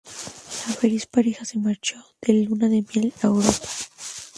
La feliz pareja se marcha de luna de miel a Europa.